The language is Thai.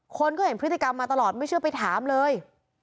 คนก็เห็นพฤติกรรมมาตลอดไม่เชื่อไปถามเลย